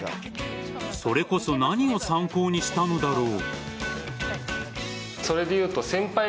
それこそ何を参考にしたのだろう。